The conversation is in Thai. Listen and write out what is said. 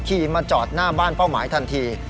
ขี่มาจอดหน้าบ้านเป้าหมายทันที